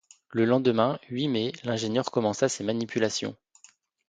Le lendemain, huit mai, l’ingénieur commença ses manipulations.